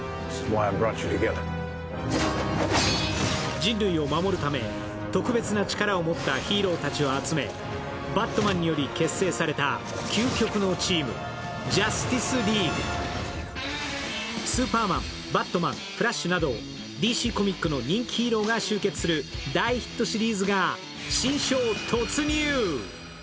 人類を守るため特別な力を持ったヒーローたちを集めバットマンにより結成された究極のチーム「ジャスティス・リーグ」「スーパーマン」、「バットマン」、「フラッシュ」などＤＣコミックの人気ヒーローが集結する大ヒットシリーズが新章突入。